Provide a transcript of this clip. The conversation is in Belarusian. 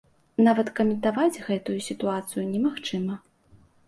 Нават каментаваць гэтую сітуацыю немагчыма.